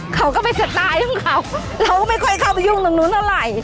เขาก็เป็นสไตล์ของเขาเราก็ไม่ค่อยเข้าไปยุ่งตรงนู้นเท่าไหร่